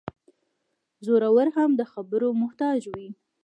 زورور هم د خبرو محتاج وي.